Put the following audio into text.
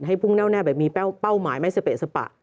ให้พุ่งแน่วแบบมีเป้าหมายไม่เสปสปะ